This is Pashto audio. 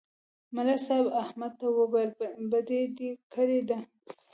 ملک صاحب احمد ته وویل: بدي دې کړې ده